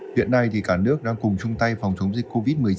hiện nay cả nước đang cùng chung tay phòng chống dịch covid một mươi chín